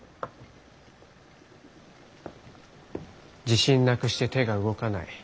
自信なくして手が動かない。